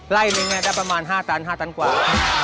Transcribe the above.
ไล่นึงได้ประมาณ๕ตัน๕ตันกว่า